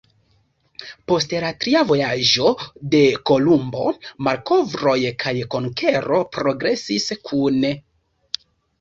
Post la tria vojaĝo de Kolumbo, malkovroj kaj konkero progresis kune.